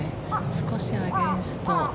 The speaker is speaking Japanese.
少しアゲンスト